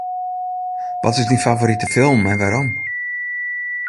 Wat is dyn favorite film en wêrom?